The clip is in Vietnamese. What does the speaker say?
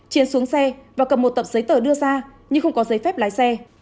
trên xuống xe và cầm một tập giấy tờ đưa ra nhưng không có giấy phép lái xe